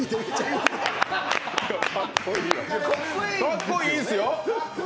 かっこいいですよ。